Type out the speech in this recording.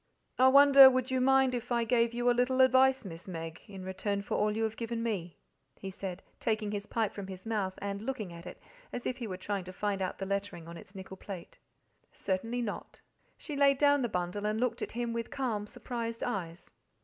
"I wonder would you mind if I gave you a little advice, Miss Meg, in return for all you have given me," he said, taking his pipe from his mouth and looking at it as if he were trying to find out the lettering on its nickel plate. "Certainly not." She laid down the bundle and looked at him with calm, surprised eyes.